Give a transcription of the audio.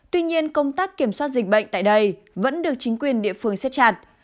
tuy nhiên công tác kiểm soát dịch bệnh tại đây vẫn được chính quyền địa phương xếp chặt